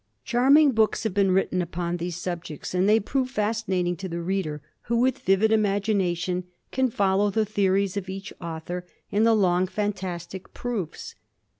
Charming books have been written upon these subjects and they prove fascinating to the reader who, with vivid imagination, can follow the theories of each author and the long fantastic proofs.